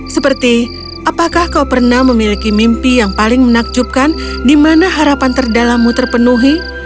seperti apakah kau pernah memiliki mimpi yang paling menakjubkan di mana harapan terdalammu terpenuhi